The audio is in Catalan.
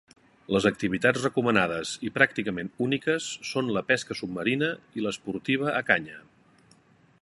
Les activitats recomanades, i pràcticament úniques, són la pesca submarina i l'esportiva a canya.